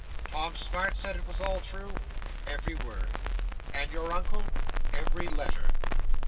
'Tom Smart said it was all true?' 'Every word.' 'And your uncle?' 'Every letter.